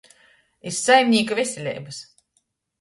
Iz saiminīka veseleibys!